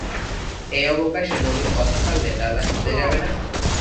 এই অবকাশে নবীন কথা পাড়লে, দাদা, শুতে যাবে না?